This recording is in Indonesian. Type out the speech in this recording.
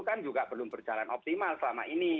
kan juga belum berjalan optimal selama ini